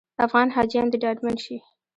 افغان حاجیان دې ډاډمن شي.